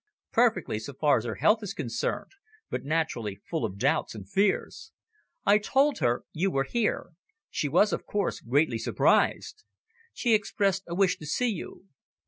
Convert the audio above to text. "Perfectly, so far as her health is concerned, but naturally full of doubts and fears. I told her you were here; she was, of course, greatly surprised. She expressed a wish to see you."